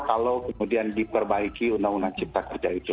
kalau kemudian diperbaiki undang undang cipta kerja itu